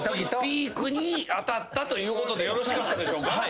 ピークにあたったということでよろしかったでしょうか？